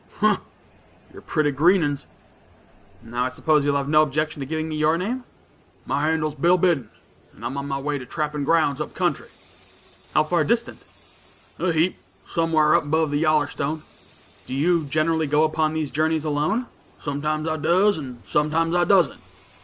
"Umph! you're pretty green 'uns." "Now I suppose you will have no objection to giving me your name." "My handle's Bill Biddon, and I'm on my way to trappin' grounds up country." "How far distant?" "A heap; somewhar up 'bove the Yallerstone." "Do you generally go upon these journeys alone?" [Illustration: "What's your handle, stranger?"] "Sometimes I does, and sometimes I doesn't."